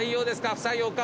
不採用か？